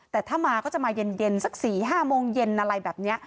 แต่ถ้ามาก็จะมาเย็นสัก๔๕โมงเย็นอะไรแบบนี้